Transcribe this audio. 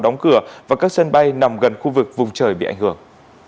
đóng cửa và các sân bay nằm gần khu vực vùng trời bị ảnh hưởng